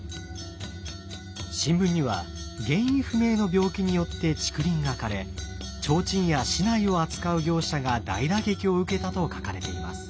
新聞には原因不明の病気によって竹林が枯れ提灯や竹刀を扱う業者が大打撃を受けたと書かれています。